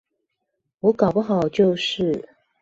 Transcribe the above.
我搞不好就是